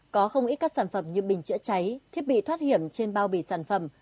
có không ít các sản phẩm như bình chữa cháy thiết bị thoát hiểm trên bao bì sản phẩm